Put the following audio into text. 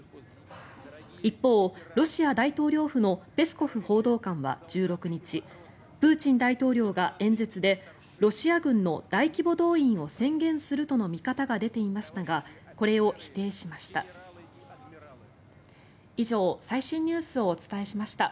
一方、ロシア大統領府のペスコフ報道官は１６日プーチン大統領が演説でロシア軍の大規模動員を宣言するとの見方が出ていましたがこれを否定しました。